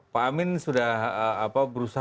pak amin sudah berusaha